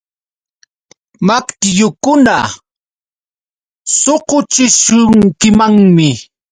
Maqtillukuna suquchishunkimanmi.